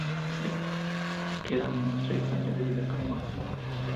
Le quedan unos tres años de vida como máximo.